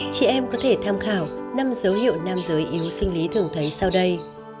chị em có thể tham khảo năm dấu hiệu nam giới yếu sinh lý thường thấy sau đây